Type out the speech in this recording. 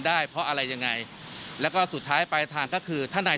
ได้เพราะอะไรยังไงแล้วก็สุดท้ายปลายทางก็คือถ้านาย